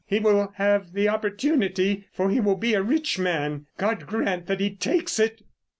He will have the opportunity, for he will be a rich man. God grant that he takes it."